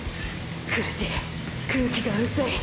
苦しい空気が薄い。